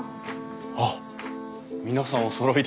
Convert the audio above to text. あっ皆さんおそろいで。